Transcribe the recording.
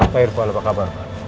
pak irfa apa kabar